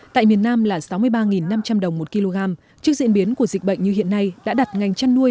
tại miền nam là sáu mươi ba năm trăm linh đồng một kg trước diễn biến của dịch bệnh như hiện nay đã đặt ngành chăn nuôi